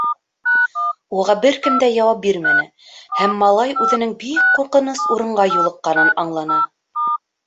Уға бер кем дә яуап бирмәне һәм малай үҙенең бик ҡурҡыныс урынға юлыҡҡанын аңланы.